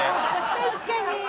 確かに。